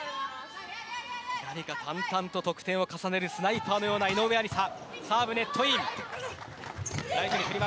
淡々と得点を重ねるスナイパーのような井上愛里沙。